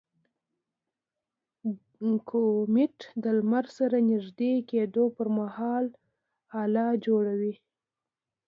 کومیټ د لمر سره نژدې کېدو پر مهال هاله جوړوي.